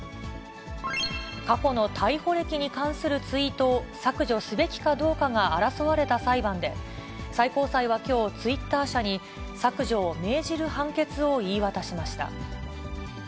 過去の逮捕歴に関するツイートを削除すべきかどうかが争われた裁判で、最高裁はきょう、ツイッター社に削除を命じる判決を言い渡しました。